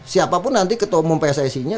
siapapun nanti ketemu pssi nya